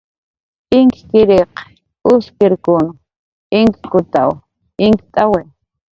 Inkkiriq uskirkun inkutanw inkt'awi